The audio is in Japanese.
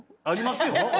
ありますよ！